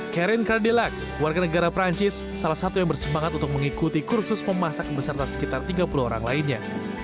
karin kardilac warga negara perancis salah satu yang bersemangat untuk mengikuti kursus memasak beserta sekitar tiga puluh orang lainnya